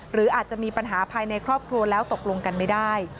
หรืออาจจะมีปัญหาภายในครอบครัวแล้วตกลงกันไม่ได้